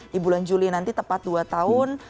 di bulan juli nanti tepat dua tahun